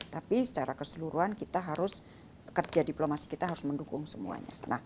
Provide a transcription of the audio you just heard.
tapi secara keseluruhan kita harus kerja diplomasi kita harus mendukung semuanya